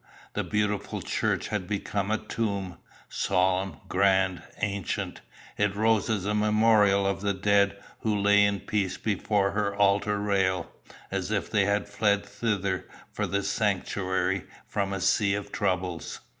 The beautiful church had become a tomb: solemn, grand, ancient, it rose as a memorial of the dead who lay in peace before her altar rail, as if they had fled thither for sanctuary from a sea of troubles.